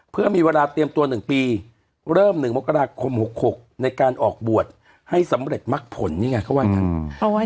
เพื่อมีเวลาเตรียมตัวหนึ่งปีเริ่มหนึ่งมกราคมหกหกในการออกบวชให้สำเร็จมักผลนี่ไงเขาว่าอย่างนั้นอืม